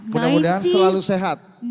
mudah mudahan selalu sehat